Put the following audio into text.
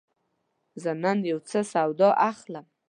زه نن یوڅه سودا اخلم.